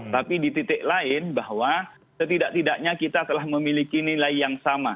tapi di titik lain bahwa setidak tidaknya kita telah memiliki nilai yang sama